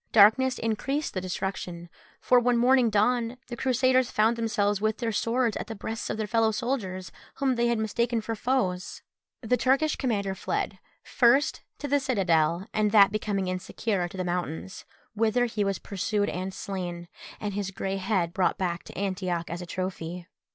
Darkness increased the destruction, for when morning dawned the Crusaders found themselves with their swords at the breasts of their fellow soldiers, whom they had mistaken for foes. The Turkish commander fled, first to the citadel, and that becoming insecure, to the mountains, whither he was pursued and slain, and his grey head brought back to Antioch as a trophy.